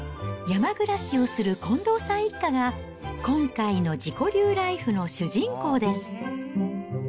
山暮らしをする近藤さん一家が、今回の自己流ライフの主人公です。